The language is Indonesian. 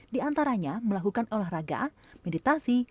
di antaranya melakukan olahraga meditasi